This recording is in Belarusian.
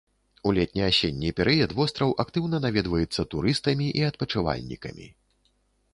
У летне-асенні перыяд востраў актыўна наведваецца турыстамі і адпачывальнікамі.